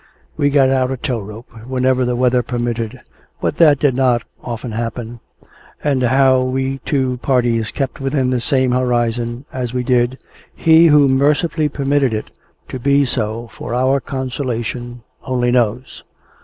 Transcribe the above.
We got out a tow rope whenever the weather permitted, but that did not often happen, and how we two parties kept within the same horizon, as we did, He, who mercifully permitted it to be so for our consolation, only knows.